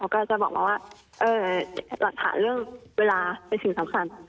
เขาก็จะบอกมาว่าหลักฐานเรื่องเวลาเป็นสิ่งสำคัญ